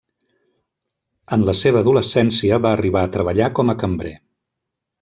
En la seva adolescència va arribar a treballar com a cambrer.